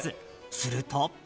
すると。